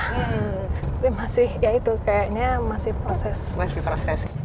tapi masih ya itu kayaknya masih proses